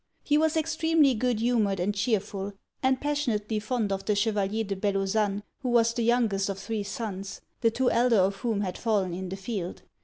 He was extremely good humoured and chearful, and passionately fond of the Chevalier de Bellozane, who was the youngest of three sons, the two elder of whom had fallen in the field.